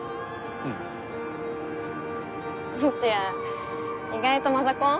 うんもしや意外とマザコン？